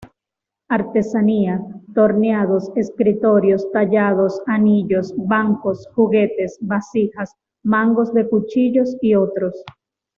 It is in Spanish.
Artesanía: torneados, escritorios, tallados, anillos, bancos, juguetes, vasijas, mangos de cuchillos y otros.